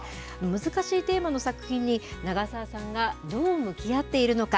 難しいテーマの作品に長澤さんがどう向き合っているのか。